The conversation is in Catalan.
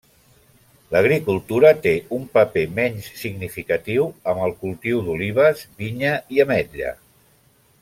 L'agricultura té un paper menys significatiu amb el cultiu d'olives, vinya i ametlla.